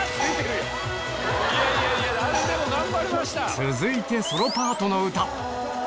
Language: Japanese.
続いてソロパートの歌